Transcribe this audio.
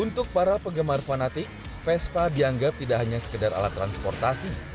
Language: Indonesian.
untuk para penggemar fanatik vespa dianggap tidak hanya sekedar alat transportasi